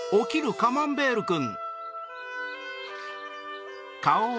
カマンベールくん。